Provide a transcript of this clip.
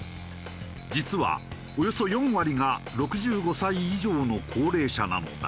実はおよそ４割が６５歳以上の高齢者なのだ。